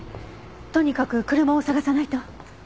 とにかく車を捜さないと。